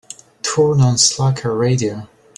Turn on Slacker radio.